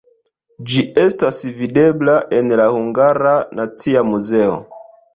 Ĝi estas videbla en la Hungara Nacia Muzeo.